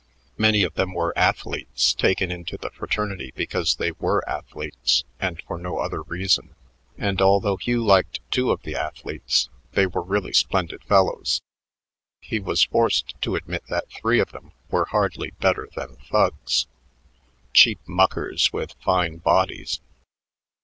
Many of them were athletes taken into the fraternity because they were athletes and for no other reason, and although Hugh liked two of the athletes they were really splendid fellows he was forced to admit that three of them were hardly better than thugs, cheap muckers with fine bodies.